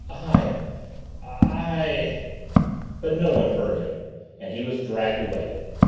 "I I " But no one heard him, and he was dragged away.